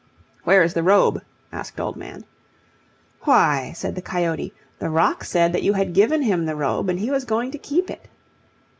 "Where is the robe?" asked Old Man. "Why," said the coyote, "the rock said that you had given him the robe and he was going to keep it."